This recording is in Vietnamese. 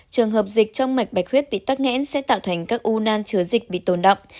trường hợp dịch trong mạch bạch huyết bị tắc nghẽn sẽ tạo thành các u nan chứa dịch bị tồn động